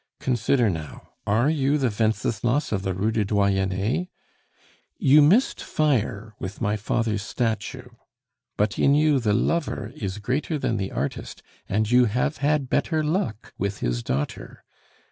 Consider now, are you the Wenceslas of the Rue du Doyenne? You missed fire with my father's statue; but in you the lover is greater than the artist, and you have had better luck with his daughter.